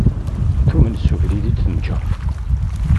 Tumen s ubrid i d-tenjer.